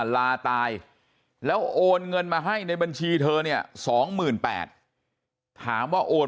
ลาตายแล้วโอนเงินมาให้ในบัญชีเธอเนี่ย๒๘๐๐ถามว่าโอน